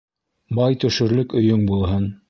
Бай төшөрлөк өйөң булһын.